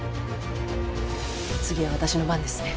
次は私の番ですね。